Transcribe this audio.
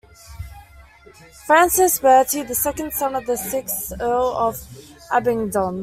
Francis Bertie, the second son of the sixth Earl of Abingdon.